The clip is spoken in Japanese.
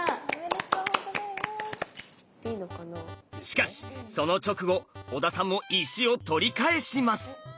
しかしその直後小田さんも石を取り返します。